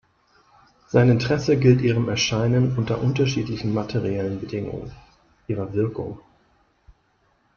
Sein Interesse gilt ihrem Erscheinen unter unterschiedlichen materiellen Bedingungen, ihrer Wirkung.